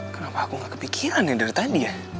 kenapa aku gak kepikiran yang dari tadi ya